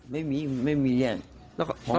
ไม่มีไม่มีเนี่ย